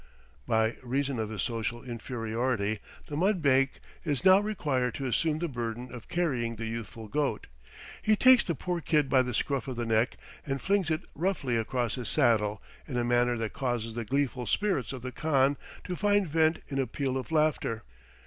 By reason of his social inferiority the mudbake is now required to assume the burden of carrying the youthful goat; he takes the poor kid by the scruff of the neck and flings it roughly across his saddle in a manner that causes the gleeful spirits of the khan to find vent in a peal of laughter.